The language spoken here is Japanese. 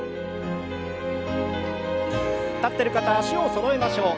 立ってる方は脚をそろえましょう。